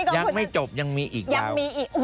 ยังไม่จบยังมีอีกราว